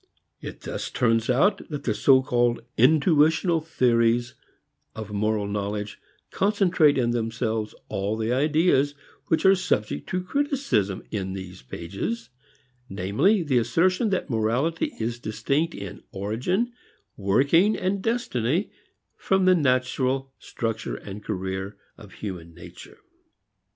It thus turns out that the so called intuitional theories of moral knowledge concentrate in themselves all the ideas which are subject to criticism in these pages: Namely, the assertion that morality is distinct in origin, working and destiny from the natural structure and career of human nature.